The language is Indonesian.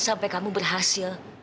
sampai kamu berhasil